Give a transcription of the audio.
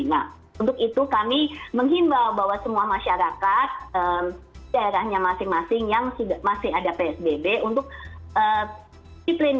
nah untuk itu kami menghimbau bahwa semua masyarakat daerahnya masing masing yang masih ada psbb untuk disiplin